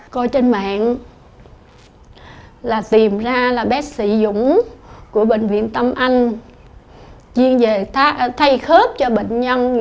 coi trên mạng là tìm ra là bác sĩ dũng của bệnh viện tâm anh chuyên về thay khớp cho bệnh nhân